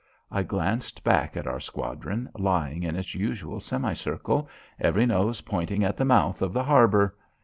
I glanced back at our squadron, lying in its usual semicircle, every nose pointing at the mouth of the harbour.